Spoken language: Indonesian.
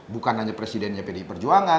bukan hanya presidennya pdi perjuangan